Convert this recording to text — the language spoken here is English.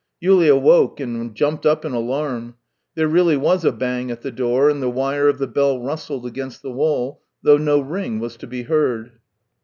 Yulia woke and jumped up in alarm. There really was a bang at the door, and the wire of the bell rustled against the wall, though no ring was to be heard.